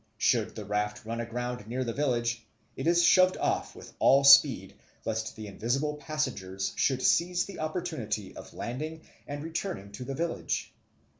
Should the raft run aground near the village, it is shoved off with all speed, lest the invisible passengers should seize the opportunity of landing and returning to the village.